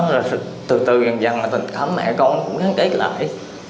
rồi từ từ dần dần là tình cảm mẹ con cũng gắn kết lại